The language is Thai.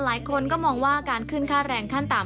หลายคนก็มองว่าการขึ้นค่าแรงขั้นต่ำ